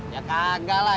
ya kagak lah